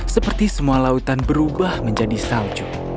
seperti semua lautan berubah menjadi salju